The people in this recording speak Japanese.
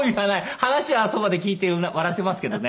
話はそばで聞いて笑ってますけどね。